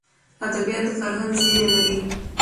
ادبیات د فرهنګ زېری لري.